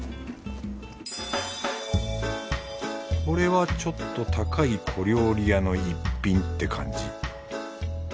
これはちょっと高い小料理屋の一品って感じ。